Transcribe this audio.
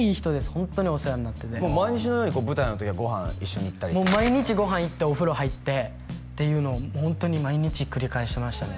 ホントにお世話になっててもう毎日のように舞台の時はご飯一緒に行ったりもう毎日ご飯行ってお風呂入ってっていうのをホントに毎日繰り返してましたね